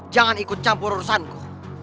jangan ikut campur urusanku